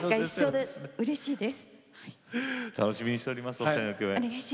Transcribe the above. うれしいです。